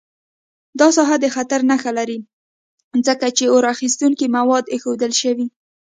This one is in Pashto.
دا ساحه د خطر نښه لري، ځکه چې اور اخیستونکي مواد ایښودل شوي.